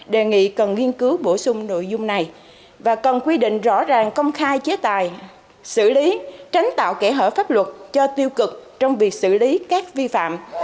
đề nghị cần nghiên cứu bổ sung nội dung này và cần quy định rõ ràng công khai chế tài xử lý tránh tạo kẻ hở pháp luật cho tiêu cực trong việc xử lý các vi phạm